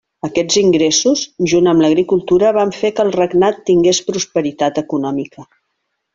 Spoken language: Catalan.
Aquests ingressos, junt amb l'agricultura, van fer que el regnat tingués prosperitat econòmica.